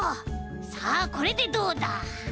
さあこれでどうだ？